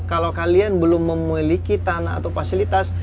kalau kalian belum memiliki tanah atau fasilitas